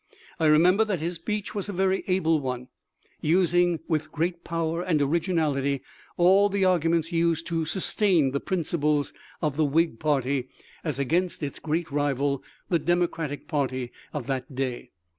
I remember that his speech was a very able one, using with great power and originality all the argu ments used to sustain the principles of the Whig party as against its great rival, the Democratic party of that day.